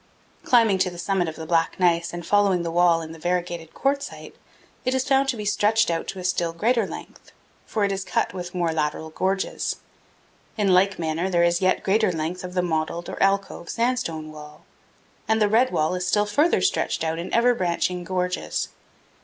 Climbing to the summit of the black gneiss and following the wall in the variegated quartzite, it is found to be stretched out to a still greater length, for it is cut with more lateral gorges. In like manner, there is yet greater length of the mottled, or alcove, sandstone wall; and the red wall is still farther stretched out in ever branching gorges.